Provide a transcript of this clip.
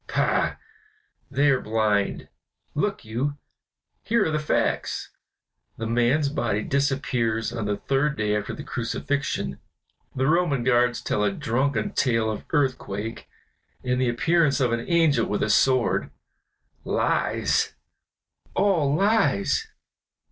Pah! they are blind. Look you! here are the facts. The man's body disappears on the third day after the crucifixion, the Roman guards tell a drunken tale of earthquake and the appearance of an angel with a sword; lies, all lies!